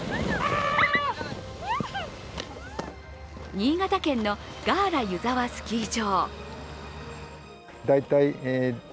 新潟県のガーラ湯沢スキー場。